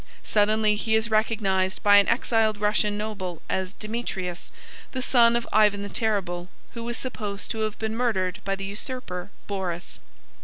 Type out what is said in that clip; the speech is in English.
Suddenly he is recognised by an exiled Russian noble as Demetrius, the son of Ivan the Terrible who was supposed to have been murdered by the usurper Boris.